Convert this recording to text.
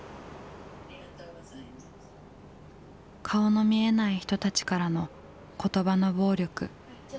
顔の見えない人たちからの言葉の暴力。